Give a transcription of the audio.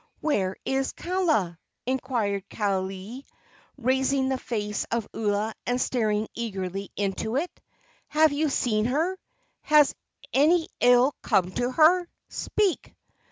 "Where is Kaala?" inquired Kaaialii, raising the face of Ua and staring eagerly into it. "Have you seen her? Has any ill come to her? Speak!"